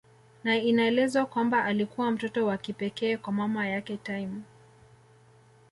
Na inaelezwa kwamba alikuwa mtoto wa kipekee kwa mama yake Time